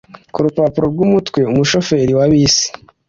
Kurupapuro rwumutwe umushoferi wa bisi